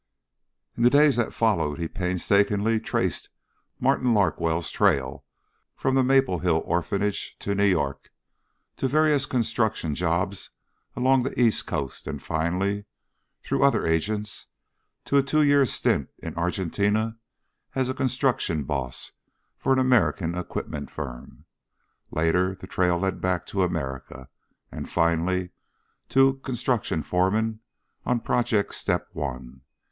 In the days to follow he painstakingly traced Martin Larkwell's trail from the Maple Hill Orphanage to New York, to various construction jobs along the East Coast and, finally, through other agents, to a two year stint in Argentina as construction boss for an American equipment firm. Later the trail led back to America and, finally, to construction foreman on Project Step One.